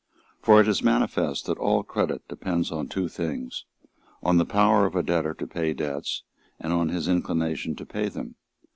For it is manifest that all credit depends on two things, on the power of a debtor to pay debts, and on his inclination to pay them.